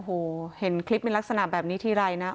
โอ้โหเห็นคลิปเป็นลักษณะแบบนี้ทีไรนะ